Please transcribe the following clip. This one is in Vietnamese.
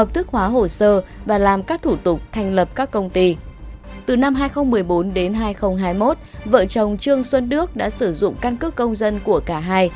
từ năm hai nghìn một mươi bốn đến hai nghìn hai mươi một vợ chồng trương xuân đức đã sử dụng căn cước công dân của cả hai